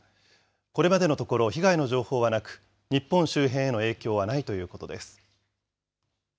これまでのところ、被害の情報はなく、日本周辺への影響はないということです。